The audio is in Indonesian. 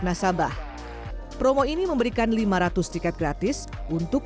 nasabah promo ini memberikan lima ratus tiket gratis untuk